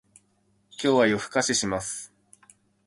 今日は夜更かしします